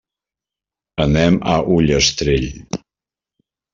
Anem a Ullastrell.